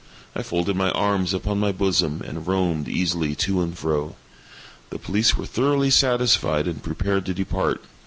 I folded my arms upon my bosom, and roamed easily to and fro. The police were thoroughly satisfied and prepared to depart.